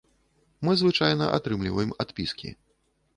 Мы звычайна атрымліваем адпіскі.